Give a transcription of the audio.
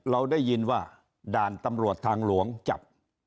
เราได้ยินว่าด่านตำรวจทางหลวงจับ